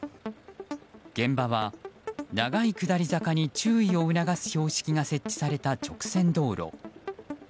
現場は長い下り坂に注意を促す標識が設置された直線道路。